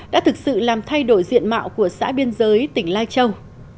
đã thực sự làm thay đổi diện mạo của xã biên giới tỉnh lai châu